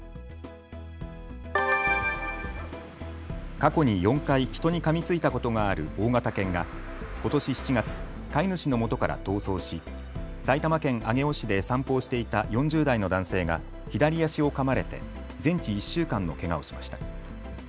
過去に４回、人にかみついたことがある大型犬がことし７月、飼い主のもとから逃走し埼玉県上尾市で散歩をしていた４０代の男性が左足をかまれて全治１週間のけがをしました。